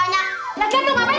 harusnya masih tau dong